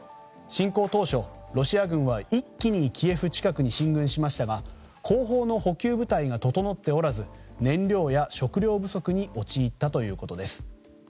侵攻当初、ロシア軍は一気にキエフ近くに進軍しましたが後方の補給部隊が整っておらず燃料や食料不足に陥ったということです。